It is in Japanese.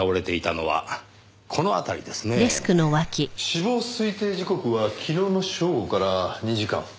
死亡推定時刻は昨日の正午から２時間。